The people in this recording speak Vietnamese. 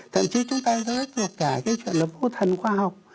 thậm chí chúng ta giới thiệu cả cái chuyện là vô thần khoa học